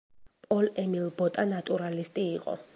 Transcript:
პოლ-ემილ ბოტა ნატურალისტი იყო.